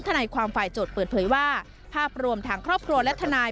ทนายความฝ่ายโจทย์เปิดเผยว่าภาพรวมทางครอบครัวและทนาย